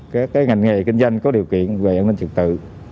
các ngành nghề kinh doanh có điều kiện về an ninh trực tự